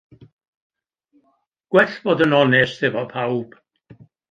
Gwell bod yn onest efo pawb.